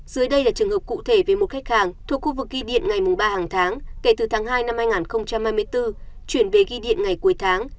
dưới đây là trường hợp cụ thể về một khách hàng thuộc khu vực ghi điện ngày ba hàng tháng kể từ tháng hai năm hai nghìn hai mươi bốn chuyển về ghi điện ngày cuối tháng